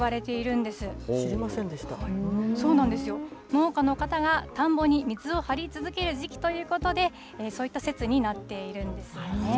農家の方が田んぼに水を張り続ける時期ということで、そういった説になっているんですよね。